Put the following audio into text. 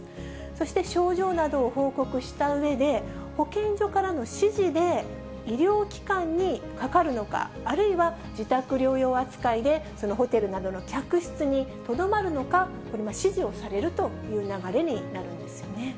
そして症状などを報告したうえで、保健所からの指示で医療機関にかかるのか、あるいは自宅療養扱いで、そのホテルなどの客室にとどまるのか、指示をされるという流れになるんですよね。